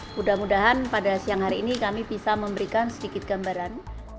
mudah mudahan pada siang hari ini kami bisa memberikan sedikit gambaran